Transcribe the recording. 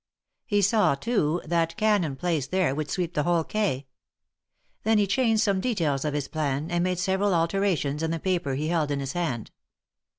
He saw, too, that cannon placed there would sweep the whole Quais. Then he changed some details of his plan, and made several alterations in the paper he held in his hand.